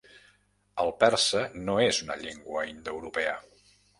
El persa no és una llengua indoeuropea.